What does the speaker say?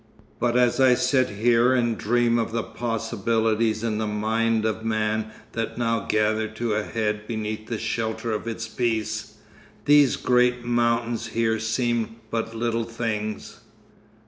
But as I sit here and dream of the possibilities in the mind of man that now gather to a head beneath the shelter of its peace, these great mountains here seem but little things....